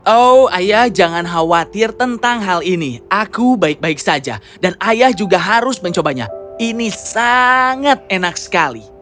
oh ayah jangan khawatir tentang hal ini aku baik baik saja dan ayah juga harus mencobanya ini sangat enak sekali